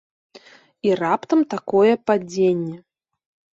І раптам такое падзенне.